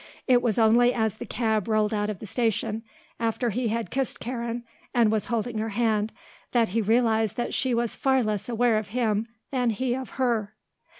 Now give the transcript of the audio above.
It was only as the cab rolled out of the station, after he had kissed Karen and was holding her hand, that he realized that she was far less aware of him than he of her.